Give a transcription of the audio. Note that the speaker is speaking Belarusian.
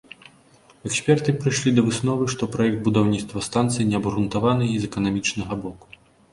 Эксперты прыйшлі да высновы, што праект будаўніцтва станцыі неабгрунтаваны і з эканамічнага боку.